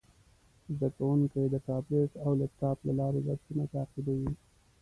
زده کوونکي د ټابلیټ او لپټاپ له لارې درسونه تعقیبوي.